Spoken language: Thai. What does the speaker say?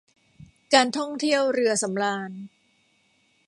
การท่องเที่ยวเรือสำราญ